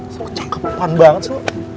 sok kecapepan banget